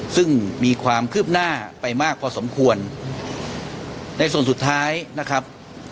ซึ่งมีความคืบหน้าไปมากพอสมควรในส่วนสุดท้ายนะครับ